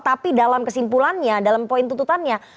tapi dalam kesimpulannya dalam poin tuntutannya